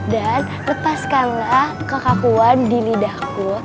dan lepaskanlah kekakuan di lidahku